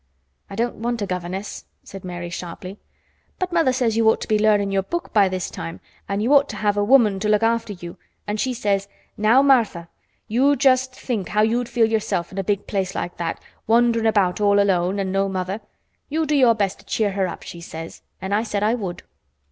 '" "I don't want a governess," said Mary sharply. "But mother says you ought to be learnin' your book by this time an' you ought to have a woman to look after you, an' she says: 'Now, Martha, you just think how you'd feel yourself, in a big place like that, wanderin' about all alone, an' no mother. You do your best to cheer her up,' she says, an' I said I would."